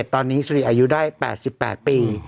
ตอนนี้สิริอายุได้๘๘ปี